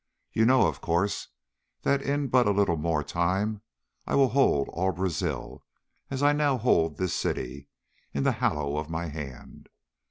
You know, of course, that in but a little more time I will hold all Brazil as I now hold this city in the hollow of my hand.